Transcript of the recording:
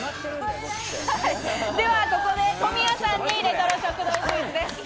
では、ここで小宮さんにレトロ食堂クイズです。